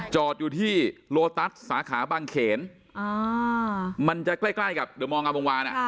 จอดอยู่ที่โลตัสสาขาบางเขนมันจะใกล้กับเดี๋ยวมองาวงวาน